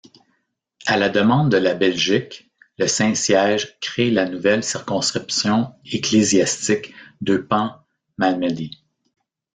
À la demande de la Belgique le Saint-Siège crée la nouvelle circonscription ecclésiastique d'Eupen-Malmedy.